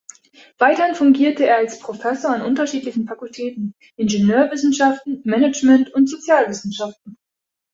Weiterhin fungierte er als Professor an unterschiedlichen Fakultäten: Ingenieurwissenschaften, Management und Sozialwissenschaften.